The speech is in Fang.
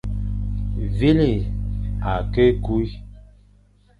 Vîle akî ku.